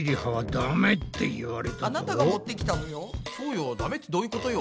ダメってどういうことよ。